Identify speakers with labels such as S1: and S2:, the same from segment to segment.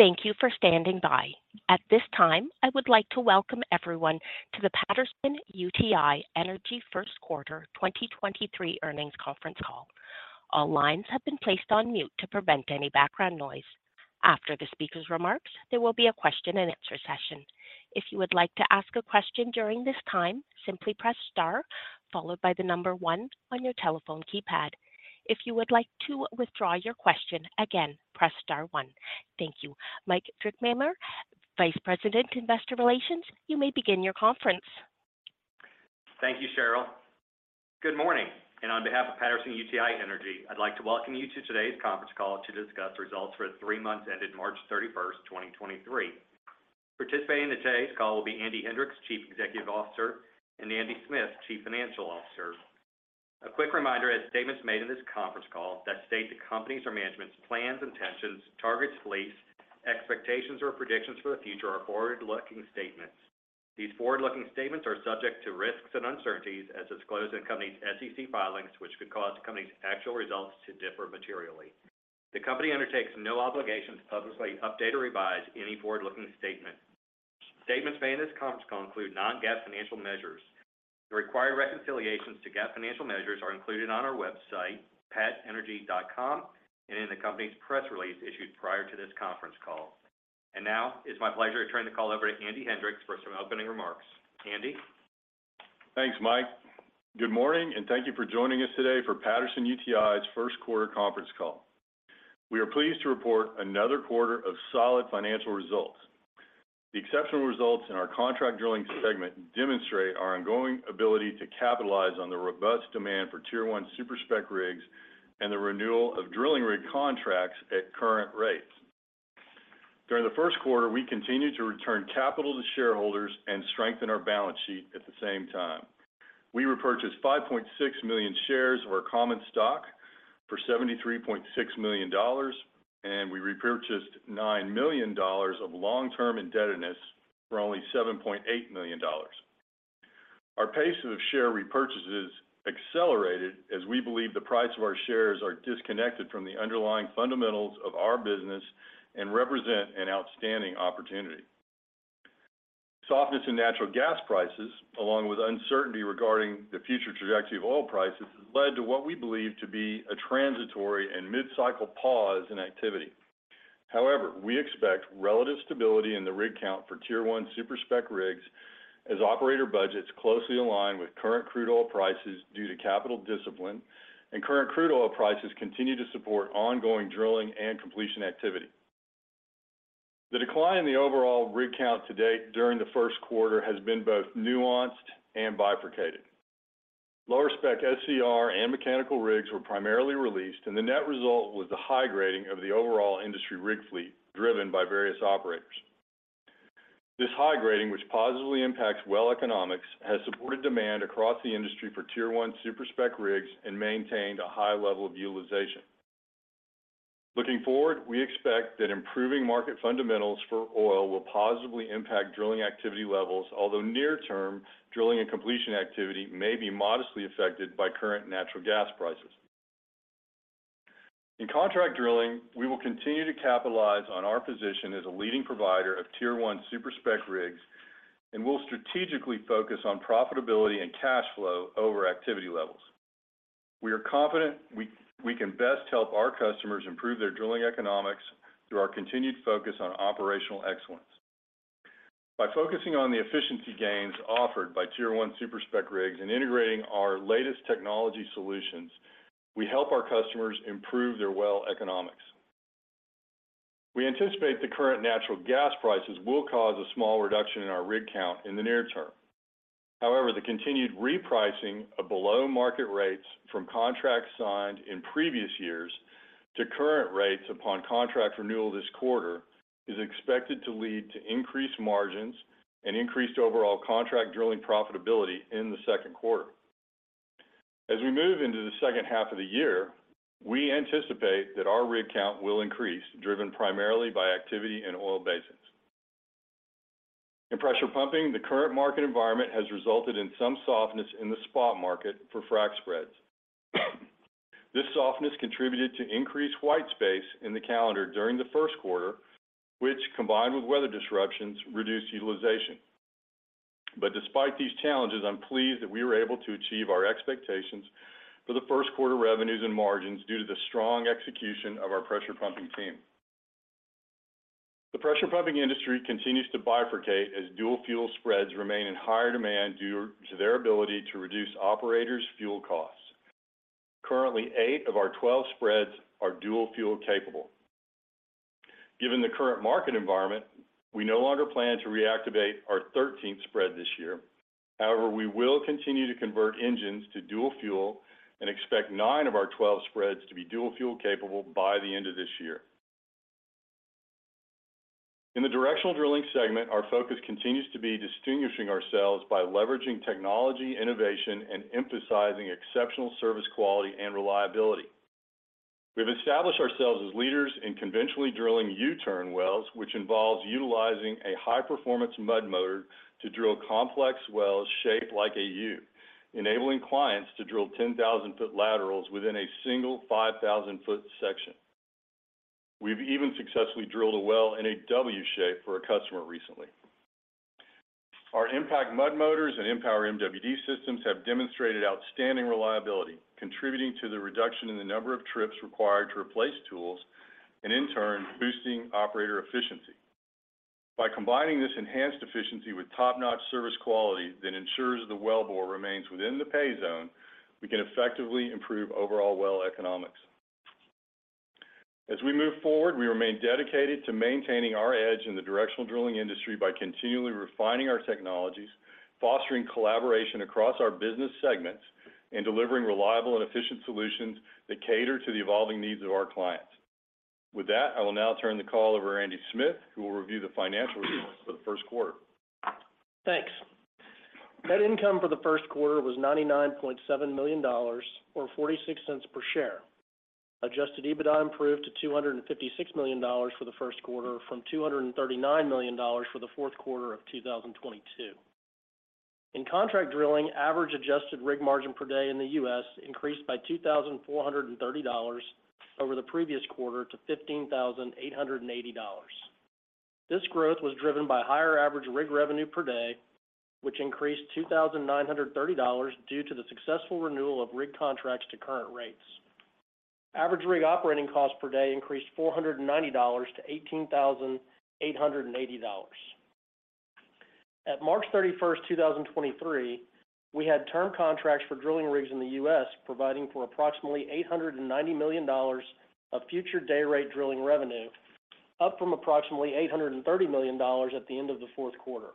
S1: Thank you for standing by. At this time, I would like to welcome everyone to the Patterson-UTI Energy first quarter 2023 earnings conference call. All lines have been placed on mute to prevent any background noise. After the speaker's remarks, there will be a question and answer session. If you would like to ask a question during this time, simply press star followed by the number one on your telephone keypad. If you would like to withdraw your question, again, press star one. Thank you. Mike Drickamer, Vice President, Investor Relations, you may begin your conference.
S2: Thank you, Cheryl. Good morning. On behalf of Patterson-UTI Energy, I'd like to welcome you to today's conference call to discuss results for the three months ended March 31st, 2023. Participating in today's call will be Andy Hendricks, Chief Executive Officer, and Andy Smith, Chief Financial Officer. A quick reminder as statements made in this conference call that state the company's or management's plans, intentions, targets, beliefs, expectations, or predictions for the future are forward-looking statements. These forward-looking statements are subject to risks and uncertainties as disclosed in the company's SEC filings, which could cause the company's actual results to differ materially. The company undertakes no obligation to publicly update or revise any forward-looking statement. Statements made in this conference call include non-GAAP financial measures. The required reconciliations to GAAP financial measures are included on our website, patenergy.com, and in the company's press release issued prior to this conference call. Now it's my pleasure to turn the call over to Andy Hendricks for some opening remarks. Andy?
S3: Thanks, Mike. Good morning, thank you for joining us today for Patterson-UTI's first quarter conference call. We are pleased to report another quarter of solid financial results. The exceptional results in our contract drilling segment demonstrate our ongoing ability to capitalize on the robust demand for Tier 1 super-spec rigs and the renewal of drilling rig contracts at current rates. During the first quarter, we continued to return capital to shareholders and strengthen our balance sheet at the same time. We repurchased 5.6 million shares of our common stock for $73.6 million, and we repurchased $9 million of long-term indebtedness for only $7.8 million. Our pace of share repurchases accelerated as we believe the price of our shares are disconnected from the underlying fundamentals of our business and represent an outstanding opportunity. Softness in natural gas prices, along with uncertainty regarding the future trajectory of oil prices, has led to what we believe to be a transitory and mid-cycle pause in activity. However, we expect relative stability in the rig count for Tier 1 super-spec rigs as operator budgets closely align with current crude oil prices due to capital discipline, and current crude oil prices continue to support ongoing drilling and completion activity. The decline in the overall rig count to date during the first quarter has been both nuanced and bifurcated. Lower-spec SCR and mechanical rigs were primarily released, and the net result was the high grading of the overall industry rig fleet, driven by various operators. This high grading, which positively impacts well economics, has supported demand across the industry for Tier 1 super-spec rigs and maintained a high level of utilization. Looking forward, we expect that improving market fundamentals for oil will positively impact drilling activity levels, although near term, drilling and completion activity may be modestly affected by current natural gas prices. In contract drilling, we will continue to capitalize on our position as a leading provider of Tier 1 super-spec rigs. We'll strategically focus on profitability and cash flow over activity levels. We are confident we can best help our customers improve their drilling economics through our continued focus on operational excellence. By focusing on the efficiency gains offered by Tier 1 super-spec rigs and integrating our latest technology solutions, we help our customers improve their well economics. We anticipate the current natural gas prices will cause a small reduction in our rig count in the near term. However, the continued repricing of below-market rates from contracts signed in previous years to current rates upon contract renewal this quarter is expected to lead to increased margins and increased overall contract drilling profitability in the second quarter. As we move into the second half of the year, we anticipate that our rig count will increase, driven primarily by activity in oil basins. In pressure pumping, the current market environment has resulted in some softness in the spot market for frac spreads. This softness contributed to increased white space in the calendar during the first quarter, which, combined with weather disruptions, reduced utilization. Despite these challenges, I'm pleased that we were able to achieve our expectations for the first quarter revenues and margins due to the strong execution of our pressure pumping team. The pressure pumping industry continues to bifurcate as dual-fuel spreads remain in higher demand due to their ability to reduce operators' fuel costs. Currently, eight of our 12 spreads are dual-fuel capable. Given the current market environment, we no longer plan to reactivate our 13th spread this year. We will continue to convert engines to dual-fuel and expect nine of our 12 spreads to be dual-fuel capable by the end of this year. In the directional drilling segment, our focus continues to be distinguishing ourselves by leveraging technology, innovation, and emphasizing exceptional service quality and reliability. We've established ourselves as leaders in conventionally drilling U-turn wells, which involves utilizing a high-performance mud motor to drill complex wells shaped like a U, enabling clients to drill 10,000-foot laterals within a single 5,000-foot section. We've even successfully drilled a well in a W shape for a customer recently. Our Mpact mud motors and Mpower MWD systems have demonstrated outstanding reliability, contributing to the reduction in the number of trips required to replace tools and in turn, boosting operator efficiency. By combining this enhanced efficiency with top-notch service quality that ensures the wellbore remains within the pay zone, we can effectively improve overall well economics. As we move forward, we remain dedicated to maintaining our edge in the directional drilling industry by continually refining our technologies, fostering collaboration across our business segments, and delivering reliable and efficient solutions that cater to the evolving needs of our clients. With that, I will now turn the call over to Andy Smith, who will review the financial results for the first quarter.
S4: Thanks. Net income for the first quarter was $99.7 million or $0.46 per share. Adjusted EBITDA improved to $256 million for the first quarter from $239 million for the fourth quarter of 2022. In contract drilling, average adjusted rig margin per day in the U.S. increased by $2,430 over the previous quarter to $15,880. This growth was driven by higher average rig revenue per day, which increased $2,930 due to the successful renewal of rig contracts to current rates. Average rig operating cost per day increased $490 to $18,880. At March 31, 2023, we had term contracts for drilling rigs in the U.S., providing for approximately $890 million of future day rate drilling revenue, up from approximately $830 million at the end of the fourth quarter.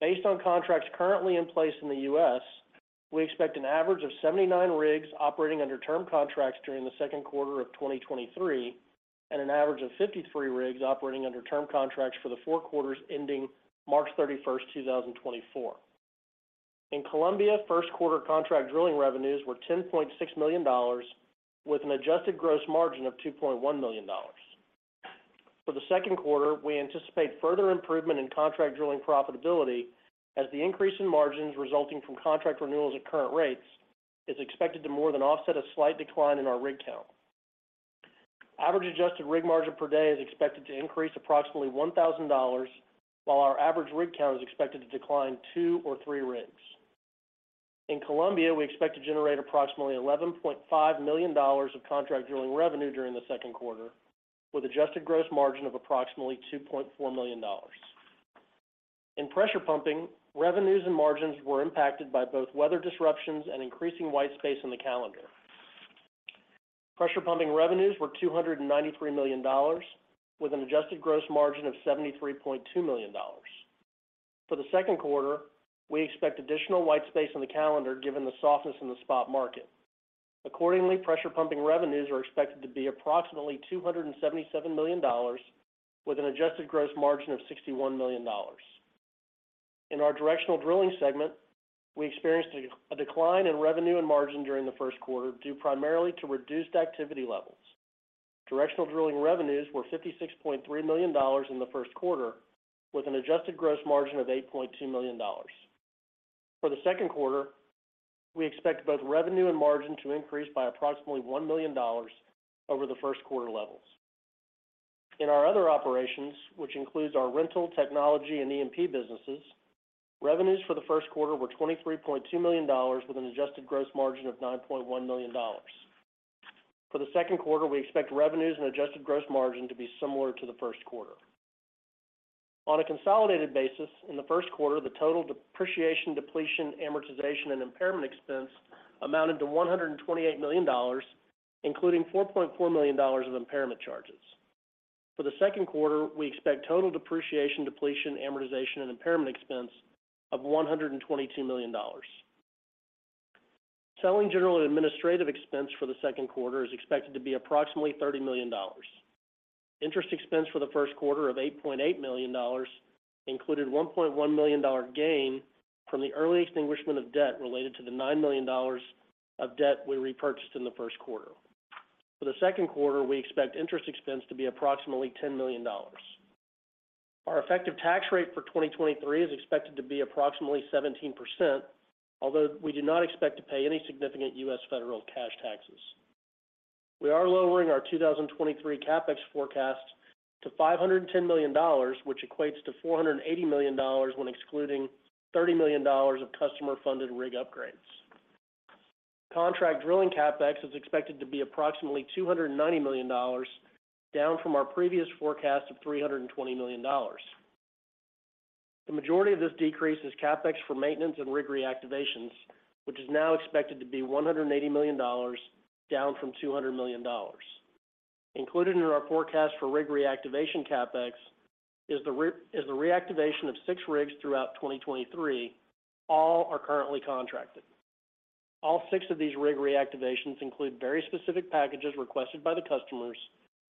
S4: Based on contracts currently in place in the U.S., we expect an average of 79 rigs operating under term contracts during the second quarter of 2023 and an average of 53 rigs operating under term contracts for the four quarters ending March 31, 2024. In Colombia, first quarter contract drilling revenues were $10.6 million, with an adjusted gross margin of $2.1 million. For the second quarter, we anticipate further improvement in contract drilling profitability as the increase in margins resulting from contract renewals at current rates is expected to more than offset a slight decline in our rig count. Average adjusted rig margin per day is expected to increase approximately $1,000, while our average rig count is expected to decline two or three rigs. In Colombia, we expect to generate approximately $11.5 million of contract drilling revenue during the second quarter, with adjusted gross margin of approximately $2.4 million. In pressure pumping, revenues and margins were impacted by both weather disruptions and increasing white space in the calendar. Pressure pumping revenues were $293 million, with an adjusted gross margin of $73.2 million. For the second quarter, we expect additional white space on the calendar given the softness in the spot market. Accordingly, pressure pumping revenues are expected to be approximately $277 million with an adjusted gross margin of $61 million. In our directional drilling segment, we experienced a decline in revenue and margin during the first quarter, due primarily to reduced activity levels. Directional drilling revenues were $56.3 million in the first quarter, with an adjusted gross margin of $8.2 million. For the second quarter, we expect both revenue and margin to increase by approximately $1 million over the first quarter levels. In our other operations, which includes our rental, technology, and E&P businesses, revenues for the first quarter were $23.2 million with an adjusted gross margin of $9.1 million. For the second quarter, we expect revenues and adjusted gross margin to be similar to the first quarter. On a consolidated basis, in the first quarter, the total depreciation, depletion, amortization, and impairment expense amounted to $128 million, including $4.4 million of impairment charges. For the second quarter, we expect total depreciation, depletion, amortization, and impairment expense of $122 million. Selling, general, and administrative expense for the second quarter is expected to be approximately $30 million. Interest expense for the first quarter of $8.8 million included $1.1 million gain from the early extinguishment of debt related to the $9 million of debt we repurchased in the first quarter. For the second quarter, we expect interest expense to be approximately $10 million. Our effective tax rate for 2023 is expected to be approximately 17%, although we do not expect to pay any significant U.S. federal cash taxes. We are lowering our 2023 CapEx forecast to $510 million, which equates to $480 million when excluding $30 million of customer-funded rig upgrades. Contract drilling CapEx is expected to be approximately $290 million, down from our previous forecast of $320 million. The majority of this decrease is CapEx for maintenance and rig reactivations, which is now expected to be $180 million, down from $200 million. Included in our forecast for rig reactivation CapEx is the reactivation of six rigs throughout 2023. All are currently contracted. All six of these rig reactivations include very specific packages requested by the customers,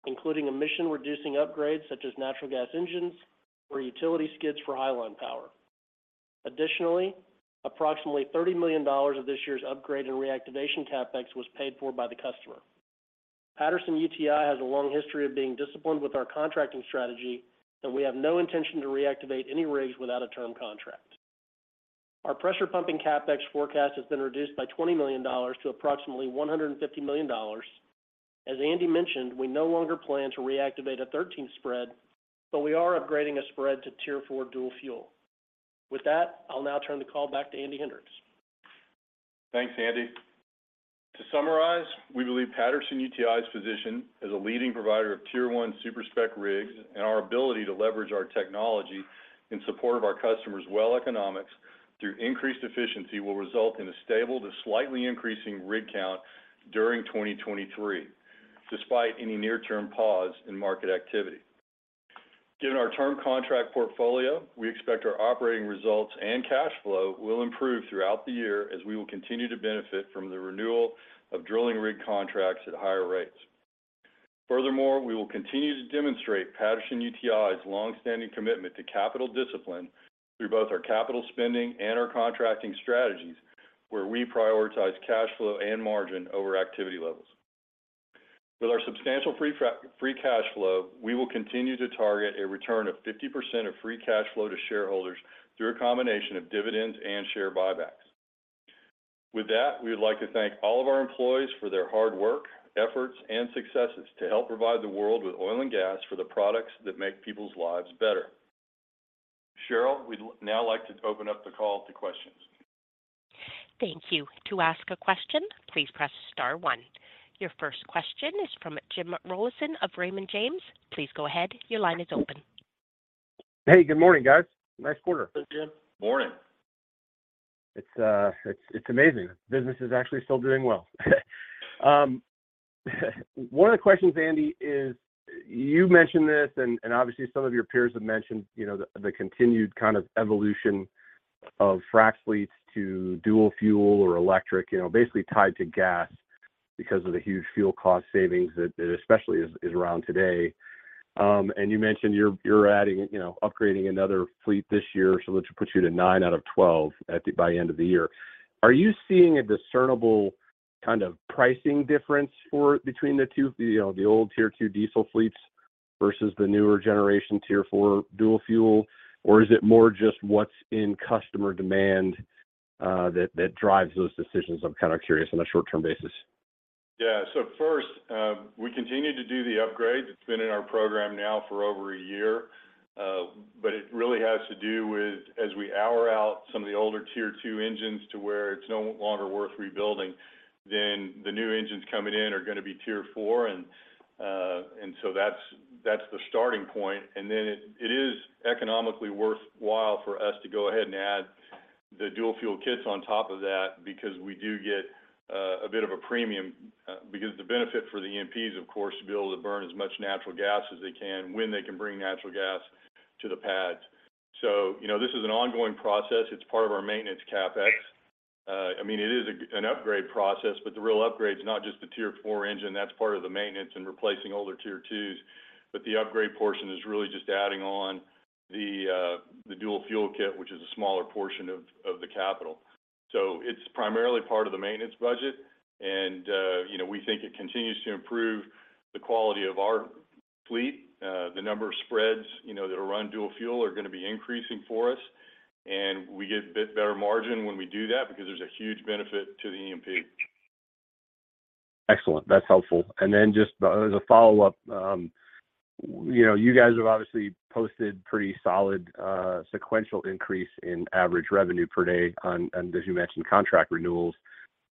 S4: including emission-reducing upgrades such as natural gas engines or utility skids for highline power. Approximately $30 million of this year's upgrade and reactivation CapEx was paid for by the customer. Patterson-UTI has a long history of being disciplined with our contracting strategy, we have no intention to reactivate any rigs without a term contract. Our pressure pumping CapEx forecast has been reduced by $20 million to approximately $150 million. As Andy mentioned, we no longer plan to reactivate a 13th spread, but we are upgrading a spread to Tier 4 dual-fuel. I'll now turn the call back to Andy Hendricks.
S3: Thanks, Andy. To summarize, we believe Patterson-UTI's position as a leading provider of Tier 1 super-spec rigs and our ability to leverage our technology in support of our customers' well economics through increased efficiency will result in a stable to slightly increasing rig count during 2023, despite any near-term pause in market activity. Given our term contract portfolio, we expect our operating results and cash flow will improve throughout the year as we will continue to benefit from the renewal of drilling rig contracts at higher rates. Furthermore, we will continue to demonstrate Patterson-UTI's longstanding commitment to capital discipline through both our capital spending and our contracting strategies, where we prioritize cash flow and margin over activity levels. With our substantial free cash flow, we will continue to target a return of 50% of free cash flow to shareholders through a combination of dividends and share buybacks. With that, we would like to thank all of our employees for their hard work, efforts, and successes to help provide the world with oil and gas for the products that make people's lives better. Cheryl, we'd now like to open up the call to questions.
S1: Thank you. To ask a question, please press star one. Your first question is from Jim Rollyson of Raymond James. Please go ahead. Your line is open.
S5: Hey, good morning, guys. Nice quarter.
S4: Thanks, Jim.
S3: Morning.
S5: It's amazing. Business is actually still doing well. One of the questions, Andy, is you mentioned this and obviously some of your peers have mentioned, you know, the continued kind of evolution of frac fleets to dual-fuel or electric, you know, basically tied to gas because of the huge fuel cost savings that especially is around today. You mentioned you're adding, you know, upgrading another fleet this year, so that should put you to nine out of 12 by end of the year. Are you seeing a discernible kind of pricing difference for between the two, you know, the old Tier 2 diesel fleets versus the newer generation Tier 4 dual-fuel? Is it more just what's in customer demand that drives those decisions? I'm kind of curious on a short-term basis.
S3: First, we continue to do the upgrades. It's been in our program now for over a year. It really has to do with as we hour out some of the older Tier 2 engines to where it's no longer worth rebuilding, then the new engines coming in are gonna be Tier 4. That's the starting point. It is economically worthwhile for us to go ahead and add the dual-fuel kits on top of that because we do get a bit of a premium. The benefit for the E&Ps, of course, to be able to burn as much natural gas as they can when they can bring natural gas to the pads. You know, this is an ongoing process. It's part of our maintenance CapEx. I mean, it is an upgrade process, the real upgrade is not just the Tier 4 engine. That's part of the maintenance and replacing older Tier 2s. The upgrade portion is really just adding on the dual-fuel kit, which is a smaller portion of the capital. It's primarily part of the maintenance budget. you know, we think it continues to improve the quality of our fleet. The number of spreads, you know, that'll run dual-fuel are gonna be increasing for us, and we get a bit better margin when we do that because there's a huge benefit to the E&P.
S5: Excellent. That's helpful. Then just as a follow-up, you know, you guys have obviously posted pretty solid, sequential increase in average revenue per day on, as you mentioned, contract renewals,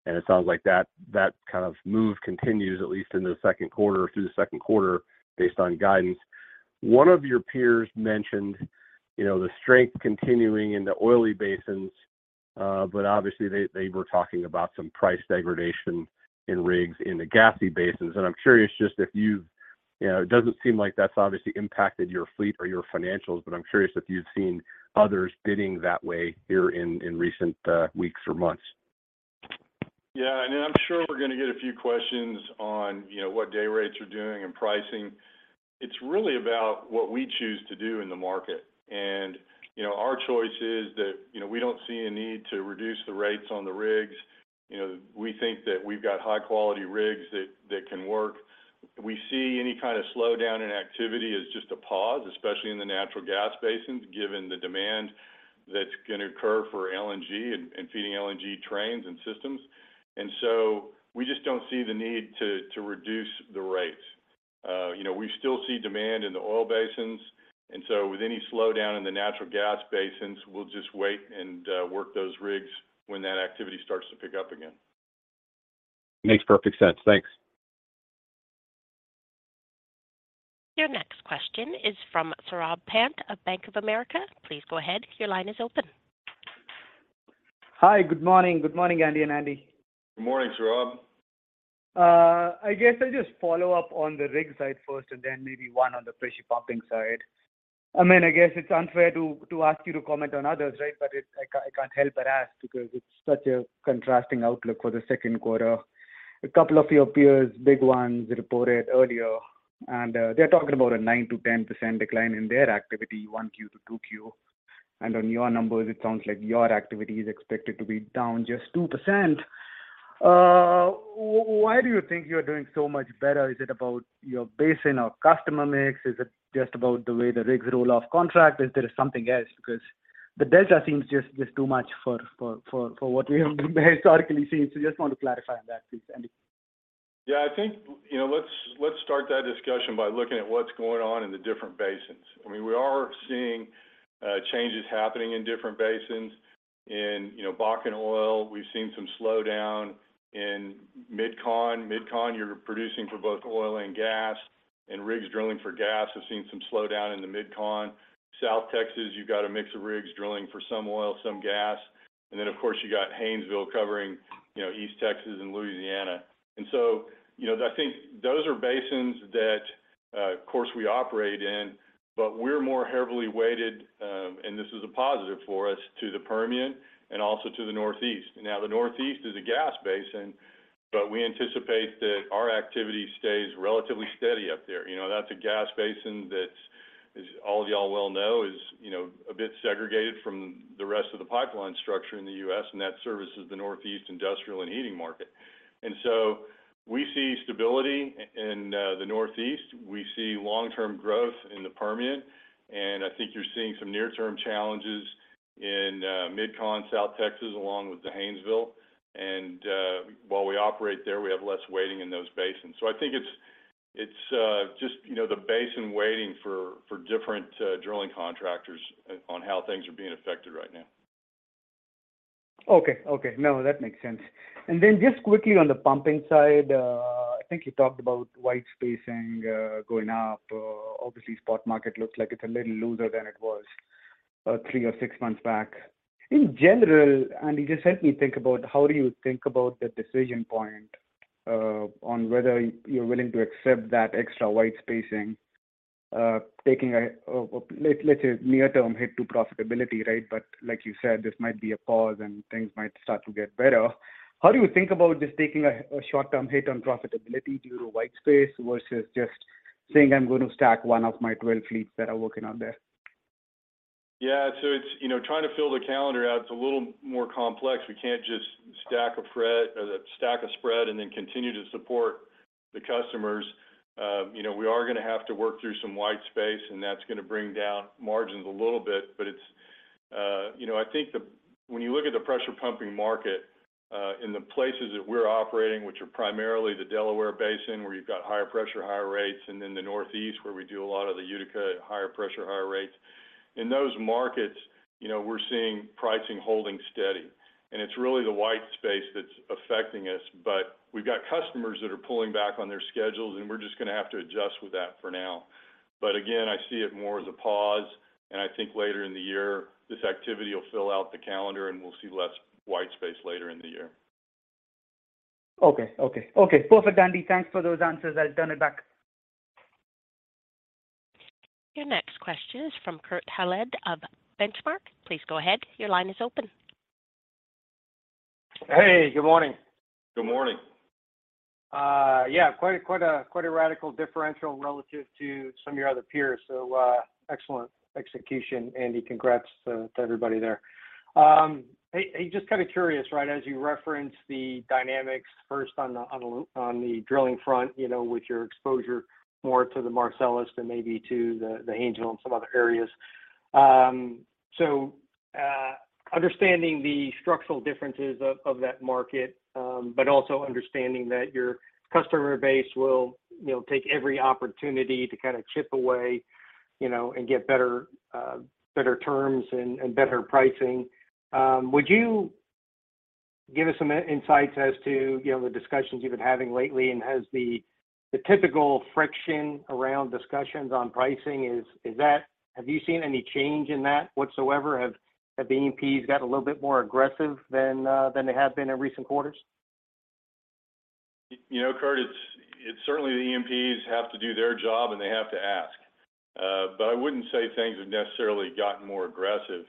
S5: and it sounds like that kind of move continues at least into the second quarter or through the second quarter based on guidance. One of your peers mentioned, you know, the strength continuing in the oily basins, but obviously they were talking about some price degradation in rigs in the gassy basins. I'm curious just if you've... You know, it doesn't seem like that's obviously impacted your fleet or your financials, but I'm curious if you've seen others bidding that way here in recent, weeks or months.
S3: Yeah. I'm sure we're gonna get a few questions on, you know, what day rates are doing and pricing. It's really about what we choose to do in the market. You know, our choice is that, you know, we don't see a need to reduce the rates on the rigs. You know, we think that we've got high-quality rigs that can work. We see any kind of slowdown in activity as just a pause, especially in the natural gas basins, given the demand that's gonna occur for LNG and feeding LNG trains and systems. We just don't see the need to reduce the rates. You know, we still see demand in the oil basins, with any slowdown in the natural gas basins, we'll just wait and work those rigs when that activity starts to pick up again.
S5: Makes perfect sense. Thanks.
S1: Your next question is from Saurabh Pant of Bank of America. Please go ahead. Your line is open.
S6: Hi. Good morning. Good morning, Andy and Andy.
S3: Good morning, Saurabh.
S6: I guess I'll just follow up on the rig side first and then maybe one on the pressure pumping side. I mean, I guess it's unfair to ask you to comment on others, right? I can't help but ask because it's such a contrasting outlook for the second quarter. A couple of your peers, big ones, reported earlier, they're talking about a 9%-10% decline in their activity 1Q to 2Q. On your numbers, it sounds like your activity is expected to be down just 2%. Why do you think you're doing so much better? Is it about your basin or customer mix? Is it just about the way the rigs roll off contract? Is there something else? Because the delta seems just too much for what we have historically seen. I just want to clarify that please, Andy.
S3: Yeah. I think, you know, let's start that discussion by looking at what's going on in the different basins. I mean, we are seeing, changes happening in different basins. In, you know, Bakken oil, we've seen some slowdown. In Mid Con, you're producing for both oil and gas, and rigs drilling for gas. We've seen some slowdown in the Mid Con. South Texas, you've got a mix of rigs drilling for some oil, some gas. Of course, you got Haynesville covering, you know, East Texas and Louisiana. You know, I think those are basins that, of course, we operate in, but we're more heavily weighted, and this is a positive for us, to the Permian and also to the Northeast. Now, the Northeast is a gas basin, but we anticipate that our activity stays relatively steady up there. You know, that's a gas basin that's, as all of y'all well know, is, you know, a bit segregated from the rest of the pipeline structure in the U.S., and that services the Northeast industrial and heating market. We see stability in the Northeast. We see long-term growth in the Permian, and I think you're seeing some near-term challenges in Mid Con, South Texas, along with the Haynesville. While we operate there, we have less weighting in those basins. I think it's, just, you know, the basin weighting for different drilling contractors on how things are being affected right now.
S6: Okay. Okay. No, that makes sense. Then just quickly on the pumping side, I think you talked about white space going up. Obviously spot market looks like it's a little looser than it was three or six months back. In general, Andy, just help me think about how do you think about the decision point on whether you're willing to accept that extra white space, taking a let's say near term hit to profitability, right? Like you said, this might be a pause and things might start to get better. How do you think about just taking a short-term hit on profitability due to white space versus just saying, "I'm going to stack one of my 12 fleets that are working out there?"
S3: It's, you know, trying to fill the calendar out, it's a little more complex. We can't just stack a spread and then continue to support the customers. You know, we are gonna have to work through some white space, and that's gonna bring down margins a little bit. When you look at the pressure pumping market, in the places that we're operating, which are primarily the Delaware Basin, where you've got higher pressure, higher rates, and then the Northeast where we do a lot of the Utica at higher pressure, higher rates. In those markets, you know, we're seeing pricing holding steady, and it's really the white space that's affecting us. We've got customers that are pulling back on their schedules, and we're just gonna have to adjust with that for now. Again, I see it more as a pause, and I think later in the year, this activity will fill out the calendar and we'll see less white space later in the year.
S6: Okay. Okay. Okay. Perfect, Andy. Thanks for those answers. I'll turn it back.
S1: Your next question is from Kurt Hallead of The Benchmark Company. Please go ahead. Your line is open.
S7: Hey, good morning.
S3: Good morning.
S7: Yeah. Quite a radical differential relative to some of your other peers. Excellent execution, Andy. Congrats to everybody there. Hey, just kind of curious, right? As you reference the dynamics first on the drilling front, you know, with your exposure more to the Marcellus than maybe to the Angel and some other areas. Understanding the structural differences of that market, but also understanding that your customer base will, you know, take every opportunity to kind of chip away, you know, and get better terms and better pricing. Would you give us some insights as to, you know, the discussions you've been having lately, and has the typical friction around discussions on pricing? Have you seen any change in that whatsoever? Have the E&Ps got a little bit more aggressive than they have been in recent quarters?
S3: You know, Kurt, it's certainly the E&Ps have to do their job and they have to ask. I wouldn't say things have necessarily gotten more aggressive.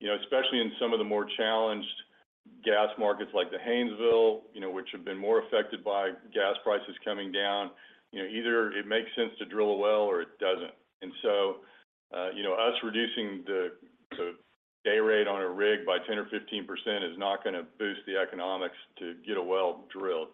S3: You know, especially in some of the more challenged gas markets like the Haynesville, you know, which have been more affected by gas prices coming down. You know, either it makes sense to drill a well or it doesn't. You know, us reducing the day rate on a rig by 10% or 15% is not gonna boost the economics to get a well drilled.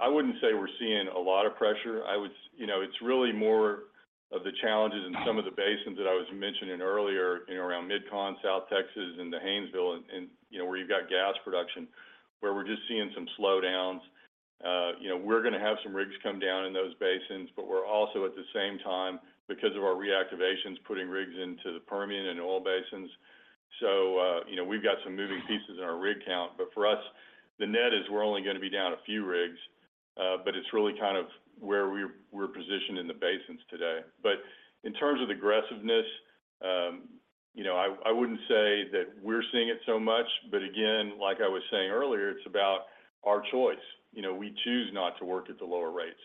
S3: I wouldn't say we're seeing a lot of pressure. I would... You know, it's really more of the challenges in some of the basins that I was mentioning earlier, you know, around Mid Con, South Texas, and the Haynesville, you know, where you've got gas production, where we're just seeing some slowdowns. You know, we're gonna have some rigs come down in those basins, but we're also at the same time, because of our reactivations, putting rigs into the Permian and oil basins. You know, we've got some moving pieces in our rig count, but for us, the net is we're only gonna be down a few rigs. It's really kind of where we're positioned in the basins today. In terms of aggressiveness, you know, I wouldn't say that we're seeing it so much. Again, like I was saying earlier, it's about our choice. You know, we choose not to work at the lower rates.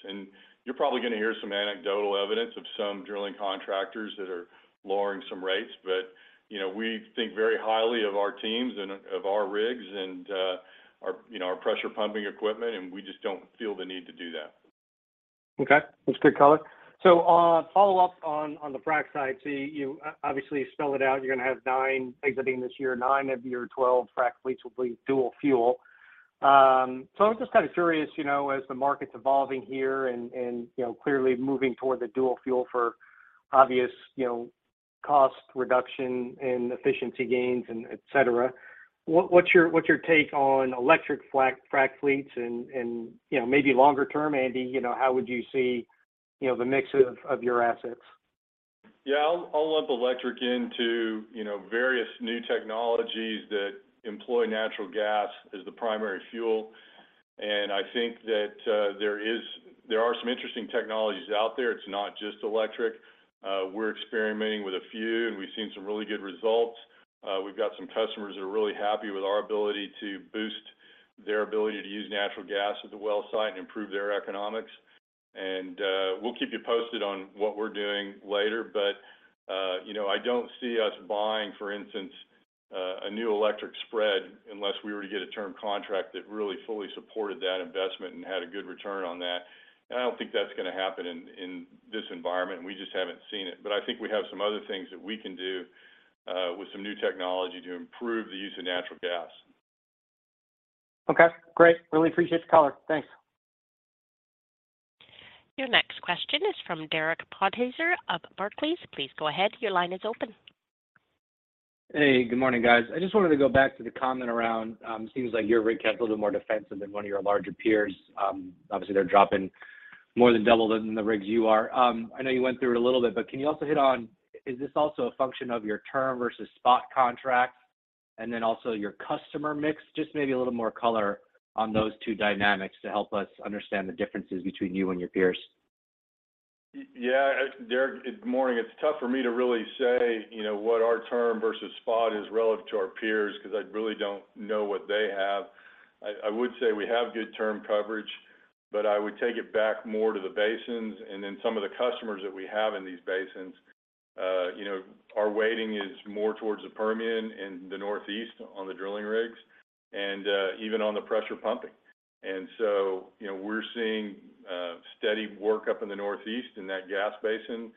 S3: You're probably gonna hear some anecdotal evidence of some drilling contractors that are lowering some rates. You know, we think very highly of our teams and of our rigs and, our, you know, our pressure pumping equipment, and we just don't feel the need to do that.
S7: Okay. That's good color. Follow-up on the frac side. You obviously spelled it out, you're gonna have nine exiting this year, nine of your 12 frac fleets will be dual-fuel. I'm just kind of curious, you know, as the market's evolving here and, you know, clearly moving toward the dual-fuel for obvious, you know, cost reduction and efficiency gains, and et cetera, what's your take on electric frac fleets and, you know, maybe longer term, Andy, you know, how would you see, you know, the mix of your assets?
S3: Yeah. I'll lump electric into, you know, various new technologies that employ natural gas as the primary fuel. I think that there are some interesting technologies out there. It's not just electric. We're experimenting with a few, and we've seen some really good results. We've got some customers that are really happy with our ability to boost their ability to use natural gas at the well site and improve their economics. We'll keep you posted on what we're doing later. You know, I don't see us buying, for instance, a new electric spread unless we were to get a term contract that really fully supported that investment and had a good return on that. I don't think that's gonna happen in this environment, and we just haven't seen it. I think we have some other things that we can do with some new technology to improve the use of natural gas.
S7: Okay. Great. Really appreciate the color. Thanks.
S1: Your next question is from Derek Podhaizer of Barclays. Please go ahead. Your line is open.
S8: Hey, good morning, guys. I just wanted to go back to the comment around, seems like your rig count's a little more defensive than one of your larger peers. Obviously they're dropping more than double than the rigs you are. I know you went through it a little bit, but can you also hit on, is this also a function of your term versus spot contracts, and then also your customer mix? Just maybe a little more color on those two dynamics to help us understand the differences between you and your peers.
S3: Yeah. Derek, good morning. It's tough for me to really say, you know, what our term versus spot is relative to our peers, 'cause I really don't know what they have. I would say we have good term coverage, but I would take it back more to the basins and then some of the customers that we have in these basins. You know, our weighting is more towards the Permian and the Northeast on the drilling rigs and even on the pressure pumping. You know, we're seeing steady work up in the Northeast in that gas basin.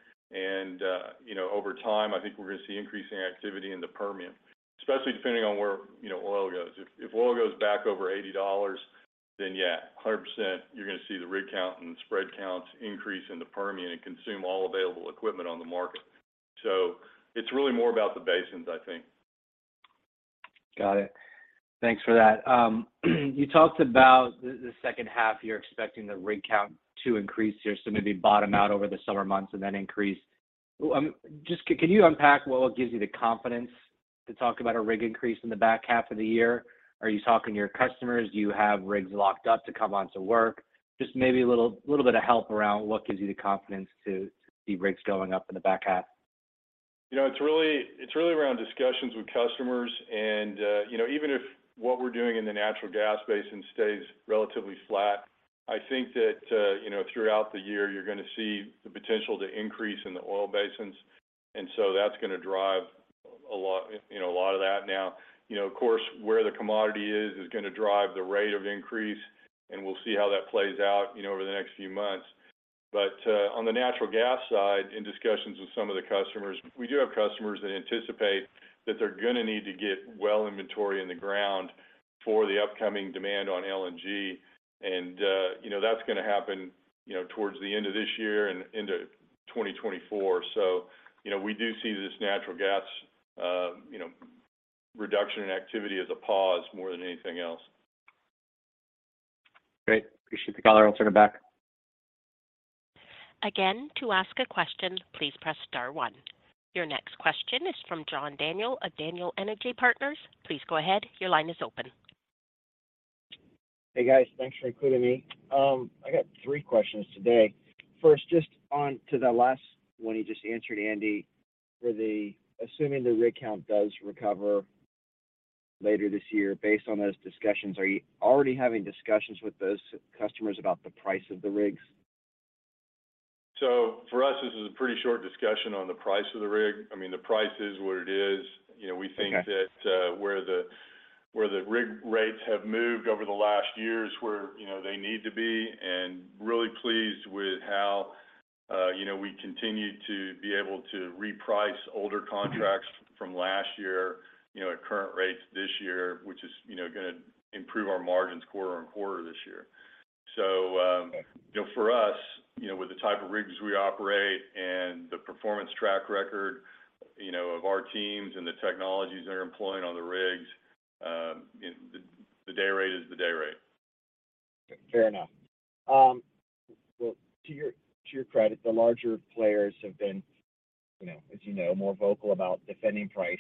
S3: You know, over time, I think we're gonna see increasing activity in the Permian, especially depending on where, you know, oil goes. If oil goes back over $80, then yeah, 100% you're gonna see the rig count and the spread counts increase in the Permian and consume all available equipment on the market. It's really more about the basins, I think.
S8: Got it. Thanks for that. You talked about the second half, you're expecting the rig count to increase here, so maybe bottom out over the summer months and then increase. Just can you unpack what gives you the confidence to talk about a rig increase in the back half of the year? Are you talking to your customers? Do you have rigs locked up to come onto work? Just maybe a little bit of help around what gives you the confidence to see rigs going up in the back half?
S3: You know, it's really around discussions with customers. You know, even if what we're doing in the natural gas basin stays relatively flat, I think that, you know, throughout the year you're gonna see the potential to increase in the oil basins, that's gonna drive a lot, you know, a lot of that. Of course, where the commodity is gonna drive the rate of increase, and we'll see how that plays out, you know, over the next few months. On the natural gas side, in discussions with some of the customers, we do have customers that anticipate that they're gonna need to get well inventory in the ground for the upcoming demand on LNG. You know, that's gonna happen, you know, towards the end of this year and into 2024. You know, we do see this natural gas, you know, reduction in activity as a pause more than anything else.
S8: Great. Appreciate the color. I'll turn it back.
S1: To ask a question, please press star one. Your next question is from John Daniel of Daniel Energy Partners. Please go ahead. Your line is open.
S9: Hey, guys. Thanks for including me. I got three questions today. First, just on to the last one you just answered, Andy, assuming the rig count does recover later this year, based on those discussions, are you already having discussions with those customers about the price of the rigs?
S3: For us, this is a pretty short discussion on the price of the rig. I mean, the price is what it is. You know-
S9: Okay....
S3: we think that, where the rig rates have moved over the last year is where, you know, they need to be. Really pleased with how, you know, we continue to be able to reprice older contracts from last year, you know, at current rates this year, which is, you know, gonna improve our margins quarter on quarter this year. For us, you know, with the type of rigs we operate and the performance track record, you know, of our teams and the technologies they're employing on the rigs, you know, the day rate is the day rate.
S9: Fair enough. Well, to your, to your credit, the larger players have been, you know, as you know, more vocal about defending price.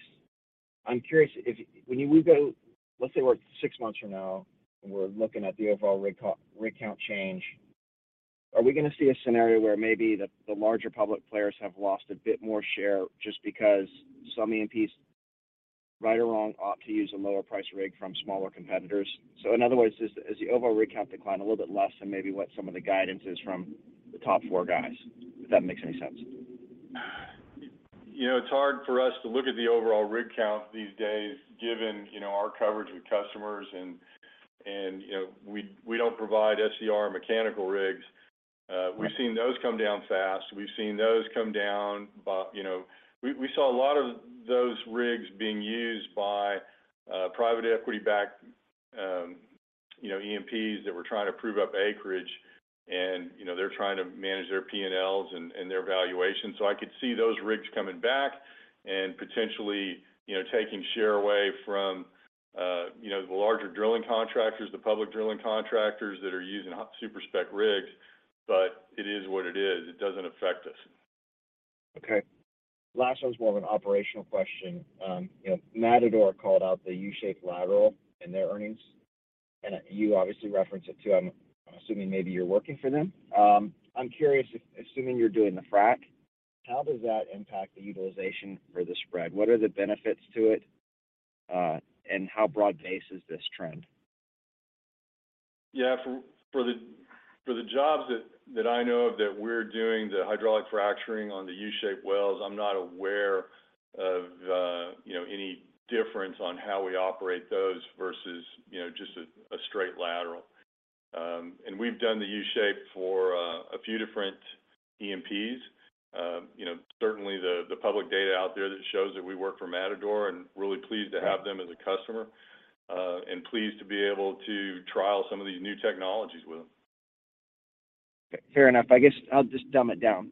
S9: I'm curious if when you go, let's say we're six months from now and we're looking at the overall rig count change, are we gonna see a scenario where maybe the larger public players have lost a bit more share just because some E&Ps, right or wrong, opt to use a lower price rig from smaller competitors? So in other words, has the overall rig count declined a little bit less than maybe what some of the guidance is from the top four guys? If that makes any sense.
S3: You know, it's hard for us to look at the overall rig count these days given, you know, our coverage with customers and, you know, we don't provide SCR mechanical rigs. We've seen those come down fast. We've seen those come down. You know, we saw a lot of those rigs being used by private equity backed, you know, E&Ps that were trying to prove up acreage and, you know, they're trying to manage their P&Ls and their valuation. I could see those rigs coming back and potentially, you know, taking share away from, you know, the larger drilling contractors, the public drilling contractors that are using super-spec rigs. It is what it is. It doesn't affect us.
S9: Okay. Last one's more of an operational question. You know, Matador called out the U-shaped lateral in their earnings, and you obviously reference it too. I'm assuming maybe you're working for them. I'm curious if, assuming you're doing the frac, how does that impact the utilization for the spread? What are the benefits to it, and how broad-based is this trend?
S3: Yeah. For, for the, for the jobs that I know of that we're doing the hydraulic fracturing on the U-shaped wells, I'm not aware of, you know, any difference on how we operate those versus, you know, just a straight lateral. We've done the U-shape for a few different E&Ps. You know, certainly the public data out there that shows that we work for Matador and really pleased to have them as a customer, and pleased to be able to trial some of these new technologies with them.
S9: Fair enough. I guess I'll just dumb it down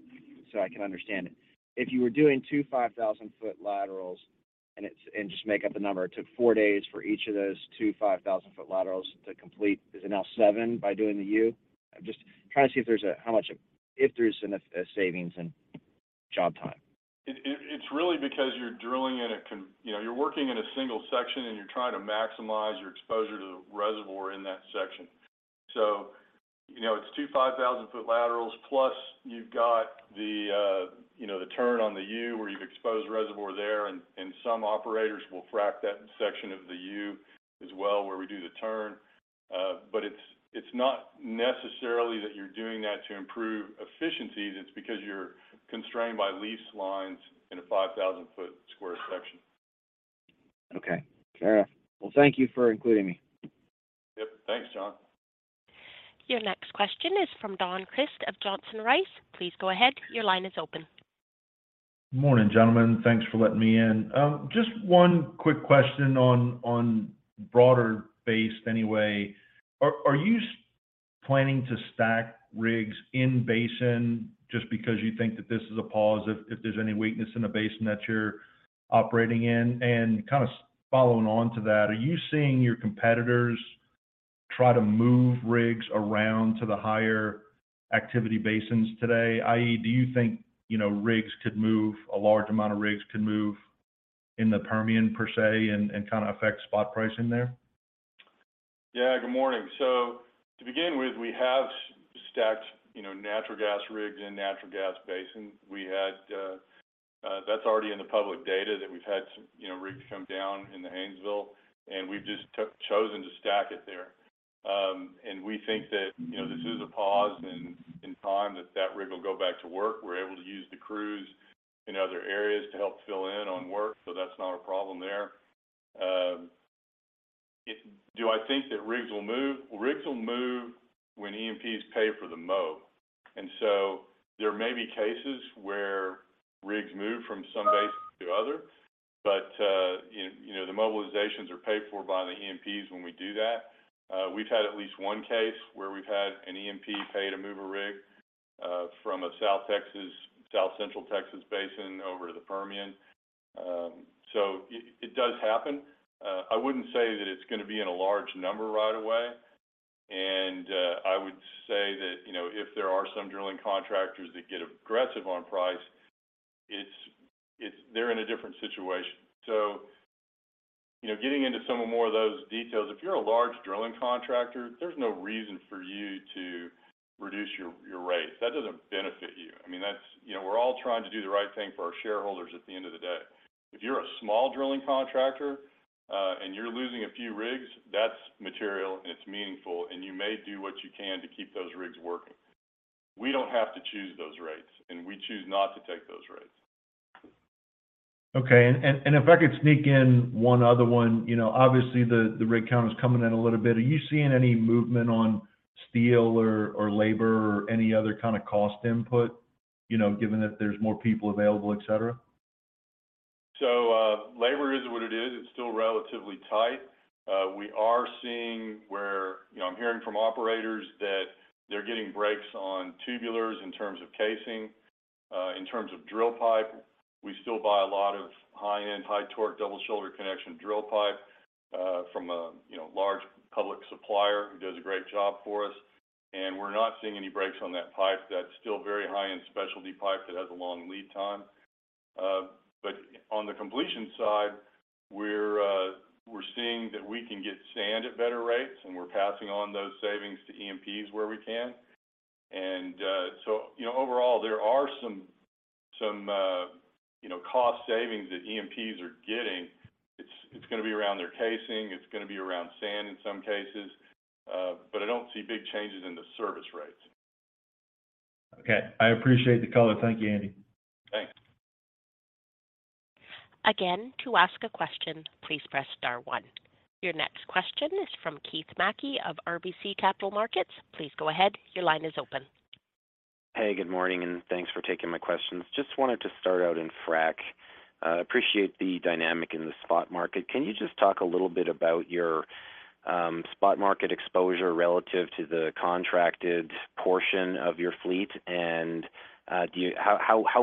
S9: so I can understand it. If you were doing two 5,000-foot laterals and just make up a number, it took four days for each of those two 5,000-foot laterals to complete. Is it now seven by doing the U? I'm just trying to see if there's enough, a savings in job time.
S3: It's really because you're drilling in a you know, you're working in a single section, and you're trying to maximize your exposure to the reservoir in that section. You know, it's two 5,000-foot laterals, plus you've got the, you know, the turn on the U where you've exposed reservoir there and some operators will frack that section of the U as well where we do the turn. It's not necessarily that you're doing that to improve efficiency. It's because you're constrained by lease lines in a 5,000-foot square section.
S9: Okay. Fair enough. Well, thank you for including me.
S3: Yep. Thanks, John.
S1: Your next question is from Don Crist of Johnson Rice. Please go ahead. Your line is open.
S10: Morning, gentlemen. Thanks for letting me in. Just one quick question on broader base anyway. Are you planning to stack rigs in basin just because you think that this is a pause if there's any weakness in the basin that you're operating in? Kind of following on to that, are you seeing your competitors try to move rigs around to the higher activity basins today? i.e., do you think, you know, rigs could move, a large amount of rigs could move in the Permian per se and kind of affect spot pricing there?
S3: Yeah, good morning. To begin with, we have stacked, you know, natural gas rigs in natural gas basins. We had, that's already in the public data that we've had some, you know, rigs come down in the Haynesville, and we've just chosen to stack it there. We think that, you know, this is a pause in time that that rig will go back to work. We're able to use the crews in other areas to help fill in on work, so that's not a problem there. Do I think that rigs will move? Rigs will move when E&Ps pay for the mob. There may be cases where rigs move from some basins to other, but, you know, the mobilizations are paid for by the E&Ps when we do that. We've had at least one case where we've had an E&P pay to move a rig from a South Texas, South Central Texas basin over to the Permian. So it does happen. I wouldn't say that it's gonna be in a large number right away. I would say that, you know, if there are some drilling contractors that get aggressive on price, they're in a different situation. You know, getting into some of more of those details, if you're a large drilling contractor, there's no reason for you to reduce your rates. That doesn't benefit you. I mean, You know, we're all trying to do the right thing for our shareholders at the end of the day. If you're a small drilling contractor, and you're losing a few rigs, that's material and it's meaningful, and you may do what you can to keep those rigs working. We don't have to choose those rates. We choose not to take those rates.
S10: Okay. If I could sneak in one other one. You know, obviously the rig count is coming in a little bit. Are you seeing any movement on steel or labor or any other kind of cost input, you know, given that there's more people available, et cetera?
S3: Labor is what it is. It's still relatively tight. You know, I'm hearing from operators that they're getting breaks on tubulars in terms of casing. In terms of drill pipe, we still buy a lot of high-end, high torque, double shoulder connection drill pipe, from a, you know, large public supplier who does a great job for us, and we're not seeing any breaks on that pipe. That's still very high-end specialty pipe that has a long lead time. On the completion side, we're seeing that we can get sand at better rates, and we're passing on those savings to E&Ps where we can. You know, overall there are some, you know, cost savings that E&Ps are getting. It's gonna be around their casing, it's gonna be around sand in some cases. I don't see big changes in the service rates.
S10: Okay. I appreciate the color. Thank you, Andy.
S3: Thanks.
S1: Again, to ask a question, please press star one. Your next question is from Keith Mackey of RBC Capital Markets. Please go ahead, your line is open.
S11: Hey, good morning, and thanks for taking my questions. Just wanted to start out in frac. Appreciate the dynamic in the spot market. Can you just talk a little bit about your spot market exposure relative to the contracted portion of your fleet? How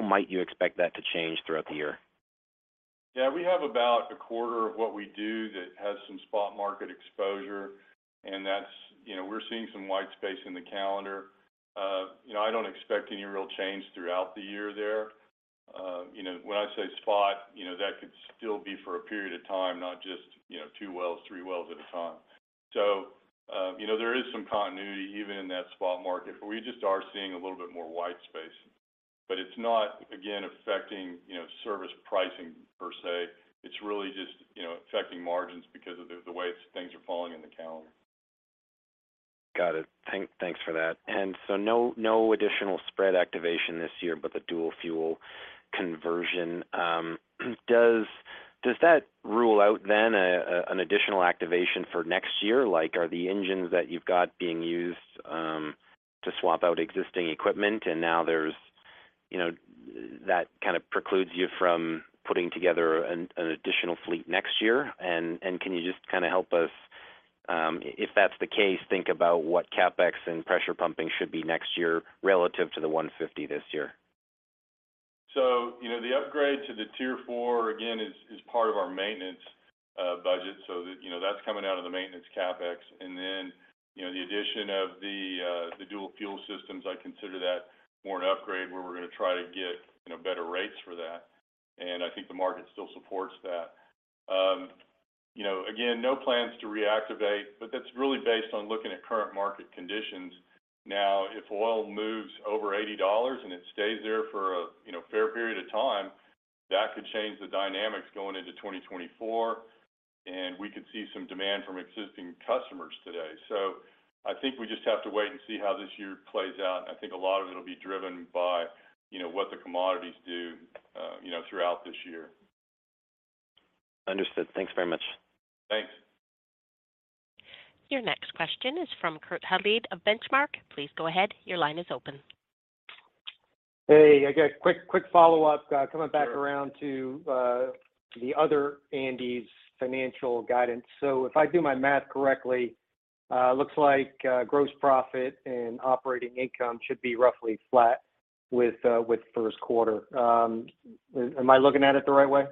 S11: might you expect that to change throughout the year?
S3: Yeah. We have about a quarter of what we do that has some spot market exposure. You know, we're seeing some white space in the calendar. You know, I don't expect any real change throughout the year there. You know, when I say spot, you know, that could still be for a period of time, not just, you know, two wells, three wells at a time. You know, there is some continuity even in that spot market. We just are seeing a little bit more white space. It's not, again, affecting, you know, service pricing per se. It's really just, you know, affecting margins because of the way things are falling in the calendar.
S11: Got it. Thanks for that. No, no additional spread activation this year but the dual-fuel conversion. Does that rule out then an additional activation for next year? Like, are the engines that you've got being used to swap out existing equipment and now there's, you know, that kind of precludes you from putting together an additional fleet next year? Can you just kind of help us, if that's the case, think about what CapEx and pressure pumping should be next year relative to the $150 this year?
S3: You know, the upgrade to the Tier 4, again, is part of our maintenance budget. You know, that's coming out of the maintenance CapEx. Then, you know, the addition of the dual-fuel systems, I consider that more an upgrade where we're gonna try to get, you know, better rates for that, and I think the market still supports that. You know, again, no plans to reactivate, but that's really based on looking at current market conditions. Now, if oil moves over $80 and it stays there for a, you know, fair period of time, that could change the dynamics going into 2024, and we could see some demand from existing customers today. I think we just have to wait and see how this year plays out. I think a lot of it'll be driven by, you know, what the commodities do, you know, throughout this year.
S11: Understood. Thanks very much.
S3: Thanks.
S1: Your next question is from Kurt Hallead of Benchmark. Please go ahead, your line is open.
S7: Hey, I got quick follow-up.
S3: Sure.
S7: Coming back around to the other Andy's financial guidance. If I do my math correctly, looks like gross profit and operating income should be roughly flat with first quarter. Am I looking at it the right way?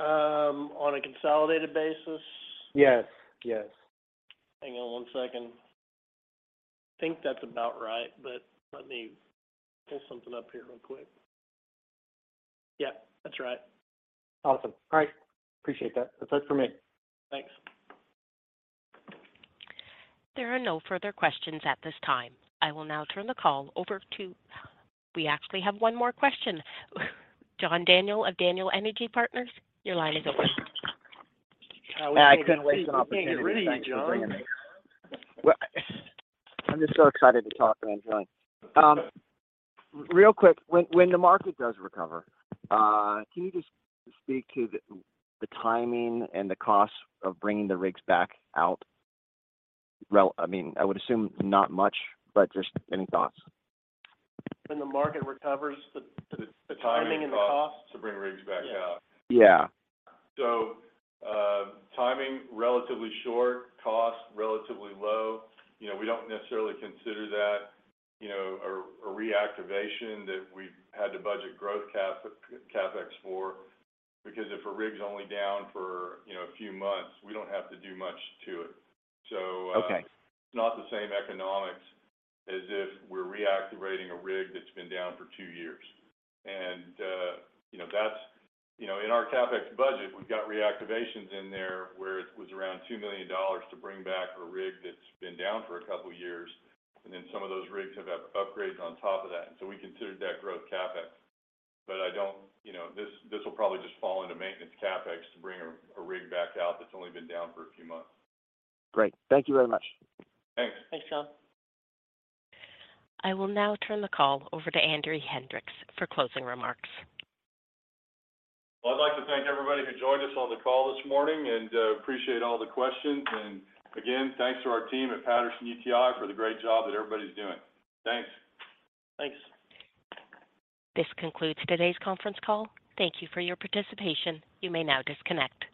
S4: On a consolidated basis?
S7: Yes. Yes.
S4: Hang on one second. Think that's about right, but let me pull something up here real quick. Yeah, that's right.
S7: Awesome. All right. Appreciate that. That's it for me.
S3: Thanks.
S1: There are no further questions at this time. I will now turn the call over to... We actually have one more question. John Daniel of Daniel Energy Partners, your line is open.
S3: I was gonna say we're getting ready, John.
S9: I couldn't waste an opportunity. Thanks for bringing me. I'm just so excited to talk, Andy. Real quick, when the market does recover, can you just speak to the timing and the cost of bringing the rigs back out, I mean, I would assume not much, but just any thoughts?
S4: When the market recovers, the timing and the cost-
S3: The timing and cost to bring rigs back out.
S4: Yeah.
S3: Timing, relatively short. Cost, relatively low. You know, we don't necessarily consider that, you know, a reactivation that we've had to budget growth CapEx for because if a rig's only down for, you know, a few months, we don't have to do much to it.
S9: Okay....
S3: it's not the same economics as if we're reactivating a rig that's been down for two years. You know, in our CapEx budget, we've got reactivations in there where it was around $2 million to bring back a rig that's been down for a couple years, and then some of those rigs have upgrades on top of that, and so we considered that growth CapEx. You know, this will probably just fall into maintenance CapEx to bring a rig back out that's only been down for a few months.
S9: Great. Thank you very much.
S3: Thanks.
S4: Thanks, John.
S1: I will now turn the call over to Andy Hendricks for closing remarks.
S3: Well, I'd like to thank everybody who joined us on the call this morning and appreciate all the questions. Again, thanks to our team at Patterson-UTI for the great job that everybody's doing. Thanks.
S4: Thanks.
S1: This concludes today's conference call. Thank you for your participation. You may now disconnect.